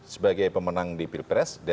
sebagai pemenang di pilpres